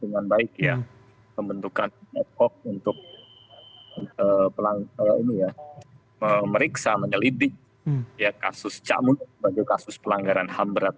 dengan baik ya pembentukan tim ad hoc untuk meriksa meneliti kasus cak munir sebagai kasus pelanggaran ham berat